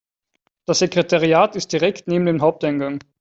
Das Sekretariat ist direkt neben dem Haupteingang.